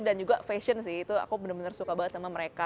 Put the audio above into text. dan juga fashion sih itu aku bener bener suka banget sama mereka